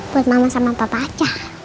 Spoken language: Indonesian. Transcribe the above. buat nama sama papa acah